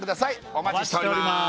お待ちしております